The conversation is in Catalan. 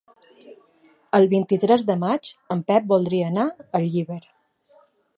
El vint-i-tres de maig en Pep voldria anar a Llíber.